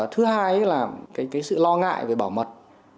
thứ hai là sự lo ngại về bảo mật